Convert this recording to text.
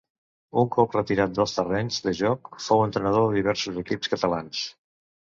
Un cop retirat dels terrenys de joc fou entrenador de diversos equips catalans.